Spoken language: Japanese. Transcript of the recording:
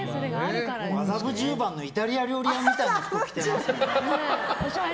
麻布十番のイタリア料理みたいな服着てるもん。